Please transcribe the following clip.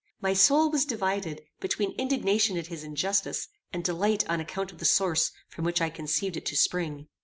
My soul was divided between indignation at his injustice, and delight on account of the source from which I conceived it to spring.